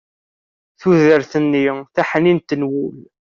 tudert-nni taḥnint n wul